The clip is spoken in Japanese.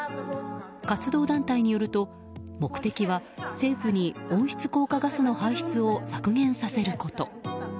活動団体によると目的は政府に温室効果ガスの排出を削減させること。